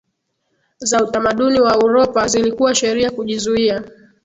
za utamaduni wa Uropa zilikuwa sheria kujizuia